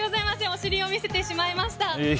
お尻を見せてしまいました。